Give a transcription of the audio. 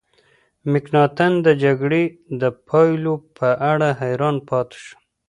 مکناتن د جګړې د پایلو په اړه حیران پاتې شو.